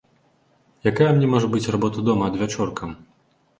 Якая мне можа быць работа дома адвячоркам?